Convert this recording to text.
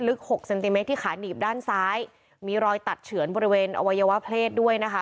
หกเซนติเมตรที่ขาหนีบด้านซ้ายมีรอยตัดเฉือนบริเวณอวัยวะเพศด้วยนะคะ